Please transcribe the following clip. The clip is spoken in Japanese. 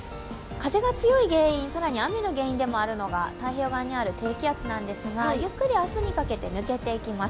風が強い原因、雨が強い原因太平洋側にある低気圧なんですが、ゆっくり明日にかけて抜けていきます。